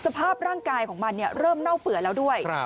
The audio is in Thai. สภาพร่างกายของมันเริ่มเน่าเปื่อยแล้วด้วย